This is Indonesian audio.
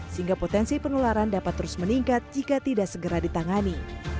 sehingga potensi penularan dapat terus meningkat jika tidak segera ditangani